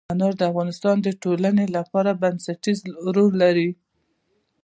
انار د افغانستان د ټولنې لپاره بنسټيز رول لري.